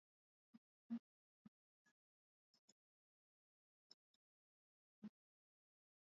Ni mjuaji sana